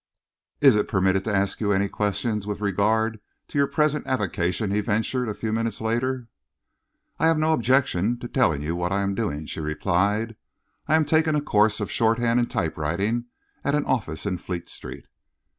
"Is it permitted to ask you any questions with regard to your present avocation?" he ventured, a few minutes later. "I have no objection to telling you what I am doing," she replied. "I am taking a course of shorthand and typewriting at an office in Fleet Street."